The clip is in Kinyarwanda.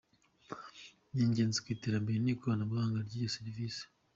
Ni ingenzi ku iterambere ry’ikoranabuhanga n’irya serivisi.